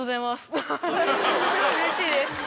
すごいうれしいです。